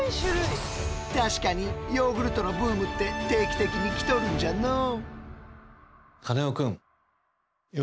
確かにヨーグルトのブームって定期的に来とるんじゃのう。